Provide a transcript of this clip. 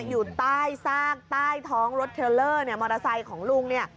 อยู่ใต้ซากใต้ท้องรถเทรลเลอร์เนี่ยมอเตอร์ไซค์ของลุงเนี่ย